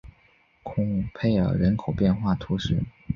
孔佩尔人口变化图示